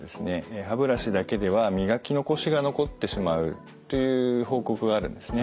歯ブラシだけでは磨き残しが残ってしまうという報告があるんですね。